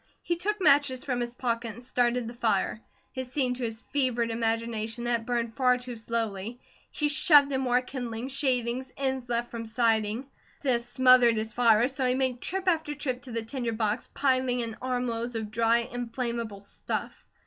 He took matches from his pocket and started the fire. It seemed to his fevered imagination that it burned far too slowly. He shoved in more kindling, shavings, ends left from siding. This smothered his fire, so he made trip after trip to the tinder box, piling in armloads of dry, inflammable stuff.